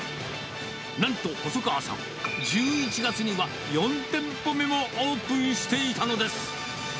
なんと細川さん、１１月には、４店舗目もオープンしていたのです。